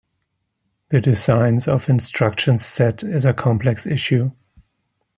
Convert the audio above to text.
The design of instruction sets is a complex issue.